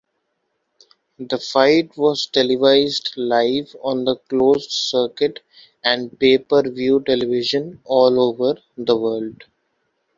The fight was televised live on closed-circuit and pay-per-view television all over the world.